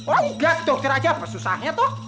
oh enggak ke dokter aja apa susahnya toh